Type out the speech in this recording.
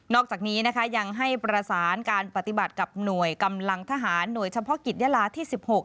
อกจากนี้นะคะยังให้ประสานการปฏิบัติกับหน่วยกำลังทหารหน่วยเฉพาะกิจยาลาที่๑๖